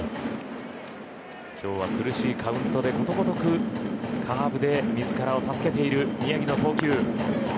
今日は苦しいカウントでことごとくカーブで自らを助けている宮城の投球。